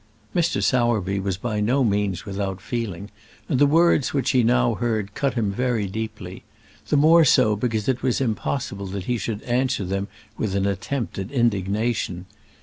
Mr. Sowerby was by no means without feeling, and the words which he now heard cut him very deeply the more so because it was impossible that he should answer them with an attempt at indignation.